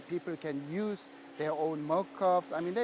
mereka sendiri maksud saya itu adalah